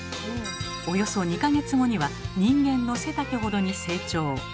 およそ２か月後には人間の背丈ほどに成長。